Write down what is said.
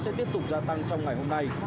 sẽ tiếp tục gia tăng trong ngày hôm nay